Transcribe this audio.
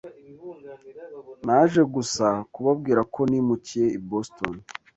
Naje gusa kubabwira ko nimukiye i Boston.